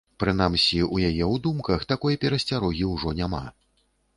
Прынамсі, у яе ў думках такой перасцярогі ўжо няма.